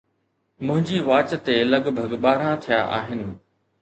منهنجي واچ تي لڳ ڀڳ ٻارهن ٿيا آهن